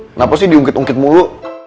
kenapa sih diungkit ungkit mulu